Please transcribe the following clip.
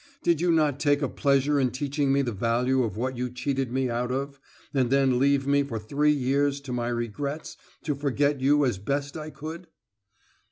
Did you not take a pleasure in teaching me the value of what you cheated me out of, and then leave me for three years to my regrets, to forget you as best I could?"